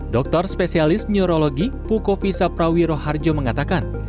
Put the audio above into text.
dokter spesialis neurologi pukovisa prawiroharjo mengatakan